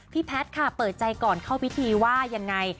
แพทย์ค่ะเปิดใจก่อนเข้าพิธีว่ายังไง